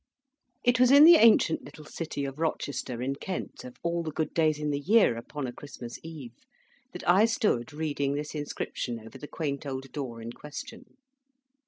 It was in the ancient little city of Rochester in Kent, of all the good days in the year upon a Christmas eve, that I stood reading this inscription over the quaint old door in question.